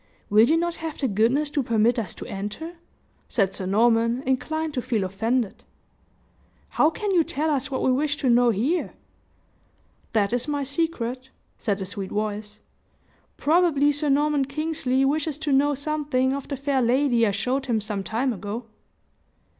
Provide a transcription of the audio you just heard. "Will you not have the goodness to permit us to enter?" said Sir Norman, inclined to feel offended. "How can you tell us what we wish to know, here?" "That is my secret," said the sweet voice. "Probably Sir Norman Kingsley wishes to know something of the fair lady I showed him some time ago?"